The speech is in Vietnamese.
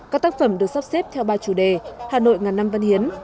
các tác phẩm được sắp xếp theo ba chủ đề hà nội ngàn năm văn hiến